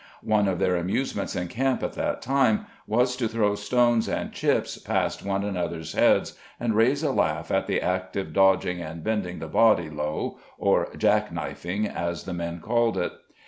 One of their amusements in camp at that time was to throw stones and chips past one another's heads, and raise a laugh at the active dodging and bending the body low, or " jack knifing," as the men called it.